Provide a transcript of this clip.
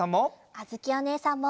あづきおねえさんも。